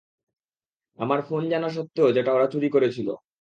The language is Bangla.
আমার ফোন জানা স্বত্বেও যেটা ওরা চুরি করেছিল।